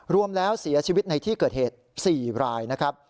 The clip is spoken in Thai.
รวมแล้วเสียชีวิตในที่เกิดเหตุ๔รายนะครับ